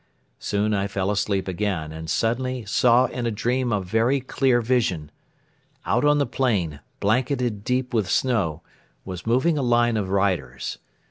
Soon I fell asleep again and suddenly saw in a dream a very clear vision. Out on the plain, blanketed deep with snow, was moving a line of riders.